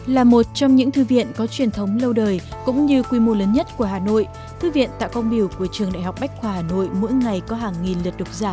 là một trong những thư viện có truyền thống lâu đời cũng như quy mô lớn nhất của hà nội thư viện tạo quang biểu của trường đại học bách khoa hà nội mỗi ngày có hàng nghìn lượt đọc giả